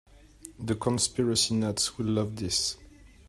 The conspiracy nuts will love this.